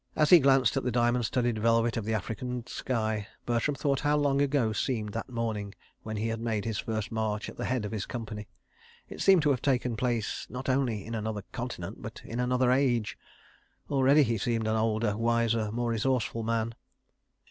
... As he glanced at the diamond studded velvet of the African sky, Bertram thought how long ago seemed that morning when he had made his first march at the head of his company. It seemed to have taken place, not only in another continent, but in another age. Already he seemed an older, wiser, more resourceful man.